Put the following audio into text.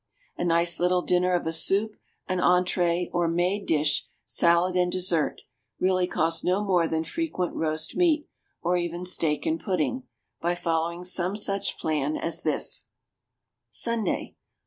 A nice little dinner of a soup, an entrée, or made dish, salad, and dessert, really costs no more than frequent roast meat, or even steak and pudding, by following some such plan as this: Sunday.